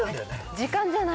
時間じゃない？